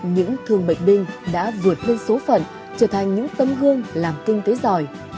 những thương bệnh binh đã vượt lên số phận trở thành những tấm gương làm kinh tế giỏi